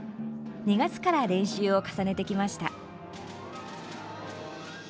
２月から練習を重ねてきました。